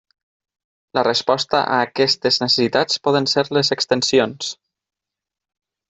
La resposta a aquestes necessitats poden ser les extensions.